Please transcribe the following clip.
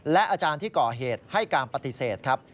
และอาจารย์ที่ก่อเหตุให้การปฏิเสธครับ